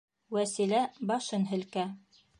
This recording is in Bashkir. Вәсилә башын һелкә.